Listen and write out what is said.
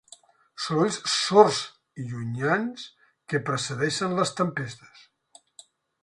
Sorolls sords i llunyans que precedeixen les tempestes.